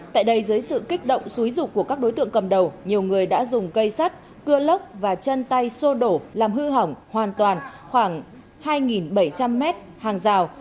tại đây dưới sự kích động xúi rục của các đối tượng cầm đầu nhiều người đã dùng cây sắt cưa lốc và chân tay sô đổ làm hư hỏng hoàn toàn khoảng hai bảy trăm linh m hàng rào